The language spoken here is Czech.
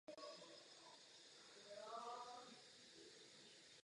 V západní části průčelí jsou okna se segmentovým záklenkem.